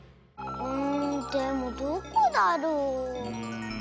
んでもどこだろう？